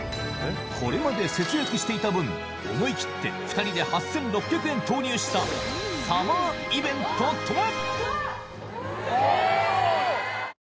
これまで節約していた分思い切って２人で８６００円投入したサマーイベントとは？